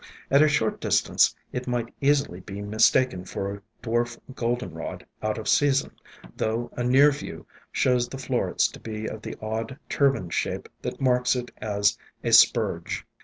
At a short distance it might easily be mistaken for a dwarf Goldenrod out of season, though a near view shows the florets to be of the odd, turbaned shape that marks it as a Spurge.